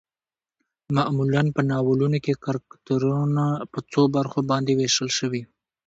معمولا په ناولونو کې کرکترنه په څو برخو باندې ويشل شوي